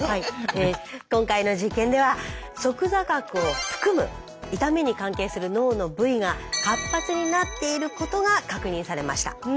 今回の実験では側坐核を含む痛みに関係する脳の部位が活発になっていることが確認されました。